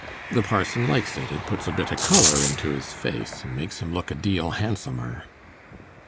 The parson likes it; it puts a bit o' colour into 'is face, and makes him look a deal handsomer.